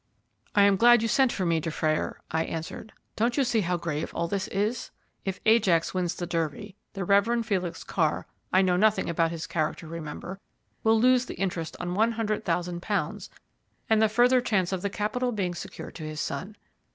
"I am glad you sent for me, Dufrayer," I answered. "Don't you see how grave all this is? If Ajax wins the Derby, the Rev. Felix Carr I know nothing about his character, remember will lose the interest on one hundred thousand pounds and the further chance of the capital being secured to his son.